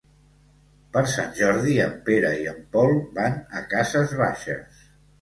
Per Sant Jordi en Pere i en Pol van a Cases Baixes.